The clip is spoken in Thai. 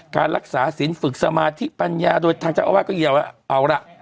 การรักษาศิลปฝึกสมาธิปัญญาโดยทางเจ้าอาวาสก็เยียวยาว่าเอาล่ะ